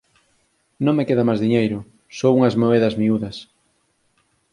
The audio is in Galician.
Non me queda máis diñeiro, só unhas moedas miúdas.